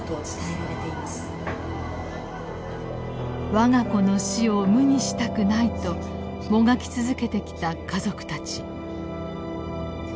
我が子の死を無にしたくないともがき続けてきた家族たち。